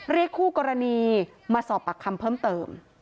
เรียกคู่กรณีมาสอบปากคำเพิ่มเติม